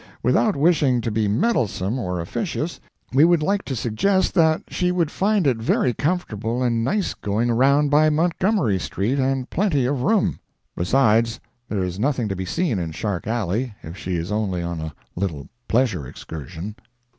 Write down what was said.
Without wishing to be meddlesome or officious, we would like to suggest that she would find it very comfortable and nice going round by Montgomery street, and plenty of room. Besides, there is nothing to be seen in Shark alley, if she is only on a little pleasure excursion.